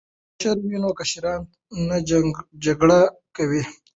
که مشره وي نو کشران نه جګړه کوي.